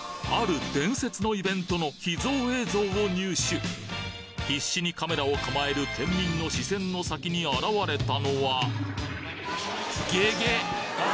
ある伝説のイベントの秘蔵映像を入手必死にカメラをかまえる県民の視線の先に現れたのはゲゲッ！